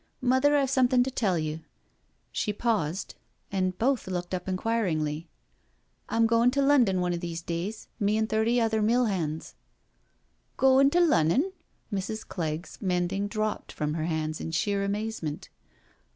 " Mother, I've something to tell you "— she paused, and both looked 58 NO SURRENDER up inquiringly —'* Tm goin* to London one o' these days, me an* thirty other mill hands.'* •• Coin' to Lunnon?" Mrs. Clegg's mending dropped from her hands in sheer amazement.